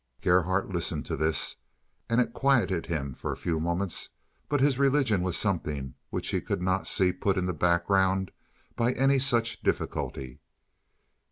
Gerhardt listened to this, and it quieted him for a few moments, but his religion was something which he could not see put in the background by any such difficulty.